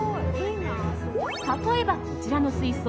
例えば、こちらの水槽。